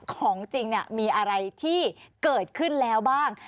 ของจริงมีอะไรที่เกิดขึ้นแล้วบ้าง